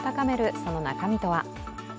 その中身とは？